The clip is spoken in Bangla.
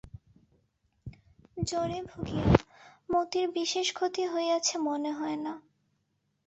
জ্বরে ভুগিয়া মতির বিশেষ ক্ষতি হইয়াছে মনে হয় না।